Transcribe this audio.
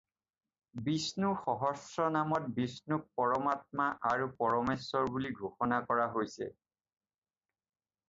বিষ্ণু সহস্ৰনামত বিষ্ণুক পৰমাত্মা আৰু পৰমেশ্বৰ বুলি ঘোষণা কৰা হৈছে।